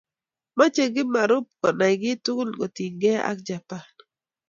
Machei Kimarubkonai ki tugul kotinyge ak Japan.